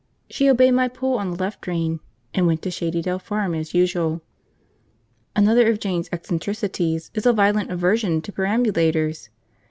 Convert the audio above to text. She obeyed my pull on the left rein, and went to Shady Dell Farm as usual. Another of Jane's eccentricities is a violent aversion to perambulators.